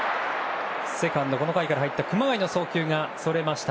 セカンド、この回から入った熊谷の送球がそれました。